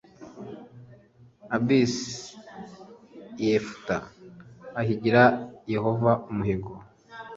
abc yefuta ahigira yehova umuhigo